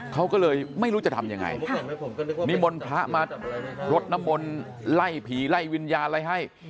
เขาก็เลยไม่รู้จะทำอย่างไรมิมทรพน้ำร้อนมันรถไล่ผีไล่วิญญาณอะไรให้